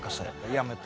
やめて。